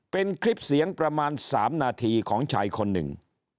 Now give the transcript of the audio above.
เป็นคลิปเสียงประมาณ๓นาทีของชายคนหนึ่ง